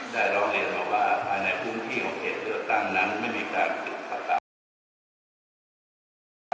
ได้ร้องเรียนว่าภายในภูมิของเขตเลือกตั้งนั้นไม่มีการถูกประกาศ